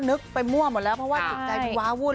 นึกไปมั่วหมดแล้วเพราะว่าจิตใจมันว้าวุ่น